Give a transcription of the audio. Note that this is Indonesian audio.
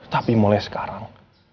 tapi mulai sekarang